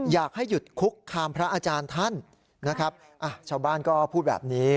อยากให้หยุดคุกคามพระอาจารย์ท่านนะครับอ่ะชาวบ้านก็พูดแบบนี้